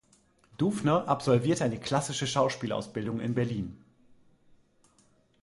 Duwner absolvierte eine klassische Schauspielausbildung in Berlin.